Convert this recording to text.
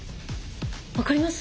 分かります？